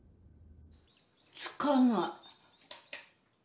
つかない。